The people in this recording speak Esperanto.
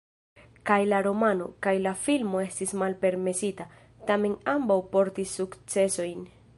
Kaj la romano, kaj la filmo estis malpermesita, tamen ambaŭ portis sukcesojn.